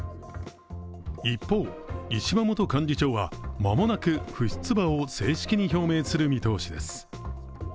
一方、石破元幹事長は間もなく不出馬を正式に表明する見通しです。